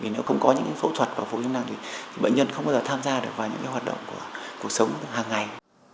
nếu không có những phẫu thuật và phẫu chức năng thì bệnh nhân không bao giờ tham gia được vào những hoạt động của cuộc sống hàng ngày